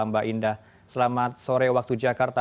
mbak indah selamat sore waktu jakarta